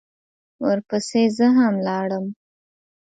ورپسې زه هم لاړم.